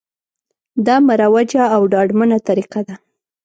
دا مروجه او ډاډمنه طریقه ده